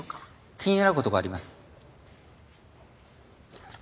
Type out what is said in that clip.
気になる事があります。